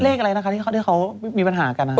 เลขอะไรนะคะที่เขามีปัญหากันนะคะ